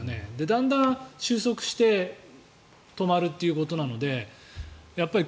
だんだん収束して止まるということなのでやっぱり